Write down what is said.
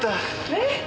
えっ？